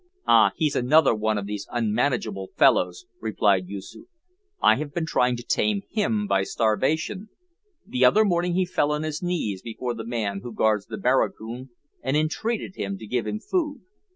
"Ah, he's another of these unmanageable fellows," replied Yoosoof. "I have been trying to tame him by starvation. The other morning he fell on his knees before the man who guards the barracoon and entreated him to give him food.